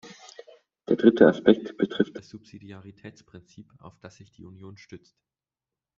Der dritte Aspekt betrifft das Subsidiaritätsprinzip, auf das sich die Union stützt.